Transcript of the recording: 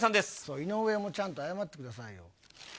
井上もちゃんと謝ってくださいよ。